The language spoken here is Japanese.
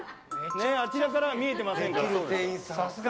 あちらからは見えてませんから。